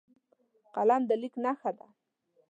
قلم د لیک نښه ده